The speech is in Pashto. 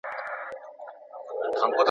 ټولني به له پخوا څخه د خپل کرامت غوښتنه کړي وي.